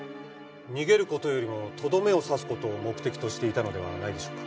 逃げる事よりもとどめを刺す事を目的としていたのではないでしょうか？